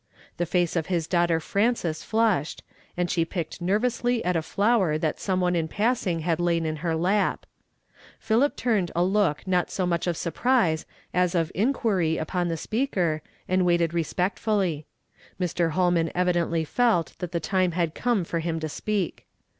The face of his daughter Frances flushed, and she picked nervously at a flower that some one in passing had laid in her lap. Philip turned a look not so much of surprise as of inquiry upon the speaker, and waited respectfully. Mr. Hol man evidently felt that the time had come for him to speak.